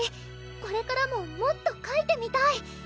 これからももっとかいてみたい